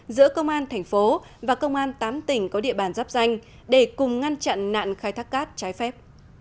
giữa công an thành phố và công an tám tỉnh có địa bàn giáp danh để cùng ngăn chặn nạn khai thác cát trái phép